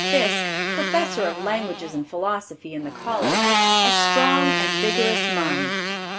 Fiske, professor of languages and philosophy in the college, a strong and vigorous mind.